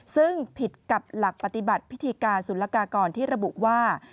ซึ่งผิดกับหลักปฏิบัติพิธีการศุลกากรที่ระบุว่า